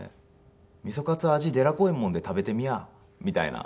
「みそカツ味でら濃いもんで食べてみゃあ」みたいな。